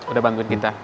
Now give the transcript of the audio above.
udah bantuin kita